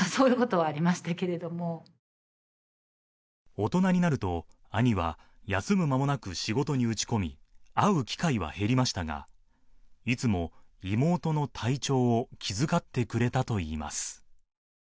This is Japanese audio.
大人になると兄は休む間もなく仕事に打ち込み会う機会は減りましたがいつも妹の体調を気遣ってくれたといいます。